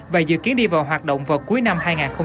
và dự kiến đi vào hoạt động vào cuối năm hai nghìn hai mươi